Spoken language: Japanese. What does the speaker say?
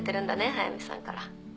速見さんから。